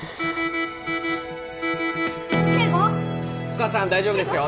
お母さん大丈夫ですよ。